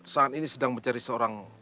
saat ini sedang mencari seorang